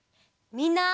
みんな。